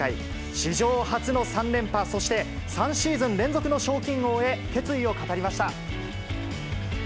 史上初の３連覇、そして３シーズン連続の賞金王へ、決意を語りました。